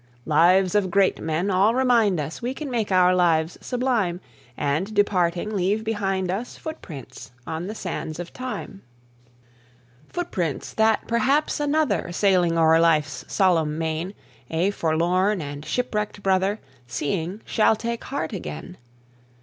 Lives of great men all remind us We can make our lives sublime, And, departing, leave behind us Footprints on the sands of time; Footprints, that perhaps another, Sailing o'er life's solemn main, A forlorn and shipwrecked brother, Seeing, shall take heart again.